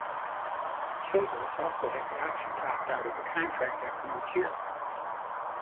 Childress also had the option to opt out of the contract after each year.